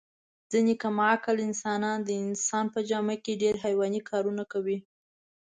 ځنې کم عقل انسانان د انسان په جامه کې ډېر حیواني کارونه کوي.